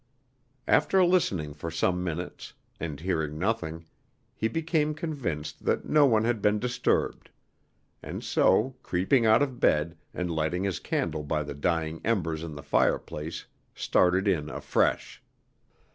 After listening for some minutes, and hearing nothing, he became convinced that no one had been disturbed; and so, creeping out of bed, and lighting his candle by the dying embers in the fireplace, started in afresh.